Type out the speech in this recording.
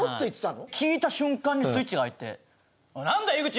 聞いた瞬間にスイッチが入って。